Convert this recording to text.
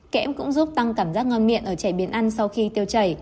kẽm cũng giúp tăng cảm giác ngon miệng ở trẻ biến ăn sau khi tiêu chảy